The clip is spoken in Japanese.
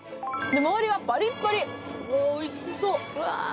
まわりはパリッパリおいしそううわ